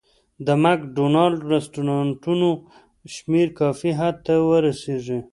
د مک ډونالډ رستورانتونو شمېر کافي حد ته ورسېږي.